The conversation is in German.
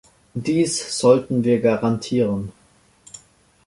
Dies sollten wir garantieren.